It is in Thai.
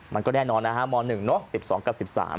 มันก็แน่นอนนะฮะม๑เนอะ๑๒กับ๑๓